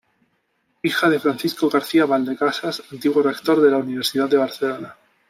Hija de Francisco García-Valdecasas, antiguo rector de la Universidad de Barcelona.